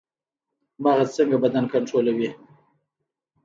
مغز څنګه بدن کنټرولوي؟